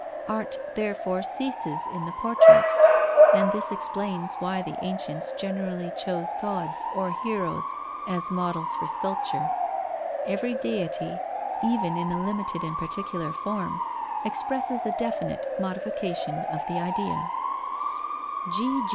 Art therefore ceases in the portrait, and this explains why the ancients generally chose Gods or Heroes as models for sculpture. Every deity, even in a limited and particular form, expresses a definite modification of the Idea.